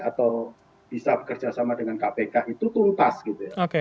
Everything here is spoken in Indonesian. atau bisa bekerja sama dengan kpk itu tuntas gitu ya